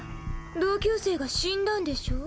同級生が死んだんでしょう？